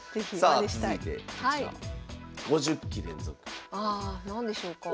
ああ何でしょうか？